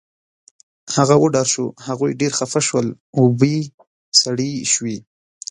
هغه وډار شو، هغوی ډېر خفه شول، اوبې سړې شوې